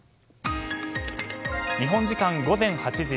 日本時間午前８時。